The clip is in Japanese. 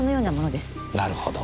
なるほど。